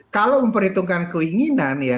kalau memperhitungkan keinginan ya